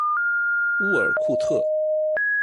乌尔库特。